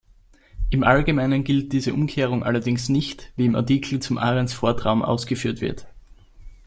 Im Allgemeinen gilt diese Umkehrung allerdings nicht, wie im Artikel zum Arens-Fort-Raum ausgeführt wird.